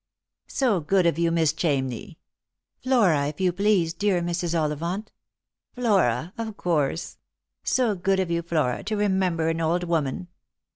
" So good of you, Miss Chamney "" Flora, if you please, dear Mrs. Ollivant." " Flora, of course. So good of you, Flora, to remember an old woman."